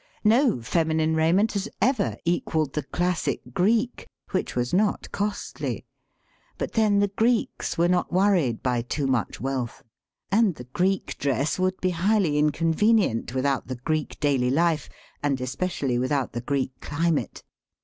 No feminine raiment has ever equalled the classic Greek, which was not costly. But then the Greeks were not worried by too much wealth. And the Greek dress would be highly inconven ient without the Greek daily life, and especially 94 SELF AND SELF MANAGEMENT^ without the Greek climate.